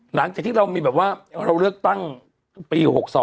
หลังจากที่เราเลือกตั้งปี๖๒